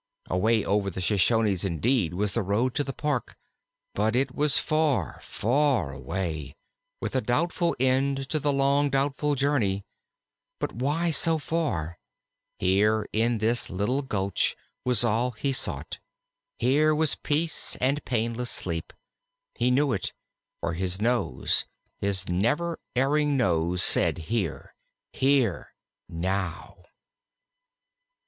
Away over the Shoshones, indeed, was the road to the Park, but it was far, far away, with a doubtful end to the long, doubtful journey. But why so far? Here in this little gulch was all he sought; here were peace and painless sleep. He knew it; for his nose, his never erring nose, said, "_Here! here now!